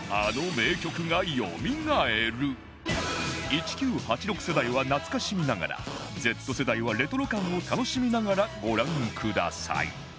１９８６世代は懐かしみながら Ｚ 世代はレトロ感を楽しみながらご覧ください